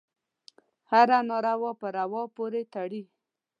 هره ناروا په روا پورې تړي.